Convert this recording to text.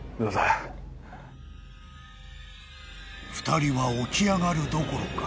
［２人は起き上がるどころか］